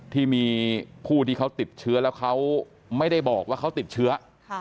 ที่มีผู้ที่เขาติดเชื้อแล้วเขาไม่ได้บอกว่าเขาติดเชื้อ